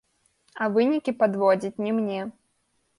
А вынікі падводзіць не мне.